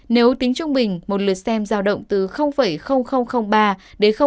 nếu tính trung bình một lượt xem giao động từ ba năm đô